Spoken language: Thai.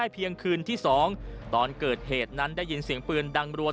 เพียงคืนที่๒ตอนเกิดเหตุนั้นได้ยินเสียงปืนดังรวด